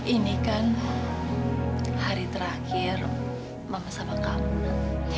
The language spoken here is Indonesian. ini kan hari terakhir mama sama kamila